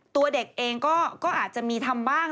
ตัวเด็กเองก็อาจจะมีทำบ้าง